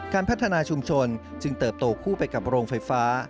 การพัฒนาชุมชนจึงเติบโตคู่ไปกับโรงไฟฟ้า